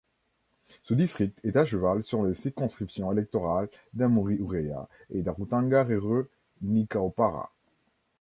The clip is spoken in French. Ce district est à cheval sur les circonscriptions électorales d'Amuri-Ureia et d'Arutanga-Reureu-Nikaupara.